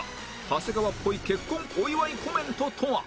長谷川っぽい結婚お祝いコメントとは？